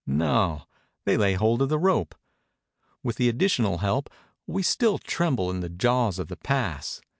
No; they lay hold of the rope. With the additional help we still trem ble in the jaws of the pass.